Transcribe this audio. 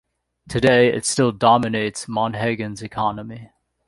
Today, it still dominates Monhegan's economy.